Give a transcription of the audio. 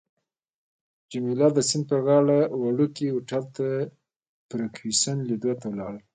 جميله د سیند پر غاړه وړوکي هوټل ته فرګوسن لیدو ته ولاړه.